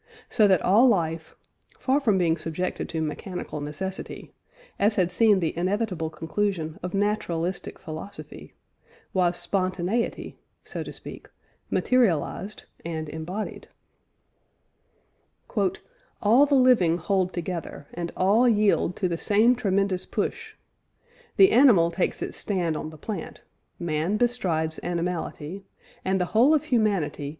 So that all life, far from being subjected to mechanical necessity, as had seemed the inevitable conclusion of naturalistic philosophy, was spontaneity (so to speak) materialised and embodied: "All the living hold together, and all yield to the same tremendous push. The animal takes its stand on the plant, man bestrides animality, and the whole of humanity